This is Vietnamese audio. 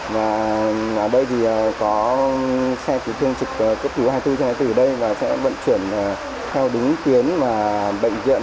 và ở đây thì có xe tử thương trực cấp thứ hai mươi bốn xe tử ở đây và sẽ vận chuyển theo đúng kiến bệnh viện